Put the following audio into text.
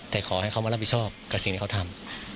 แต่ขอให้เขามารับผิดชอบกับสิ่งที่เขาทำ